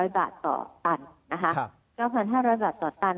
๐บาทต่อตันนะคะ๙๕๐๐บาทต่อตัน